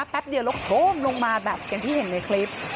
แป๊บเดียวแล้วโครมลงมาแบบอย่างที่เห็นในคลิป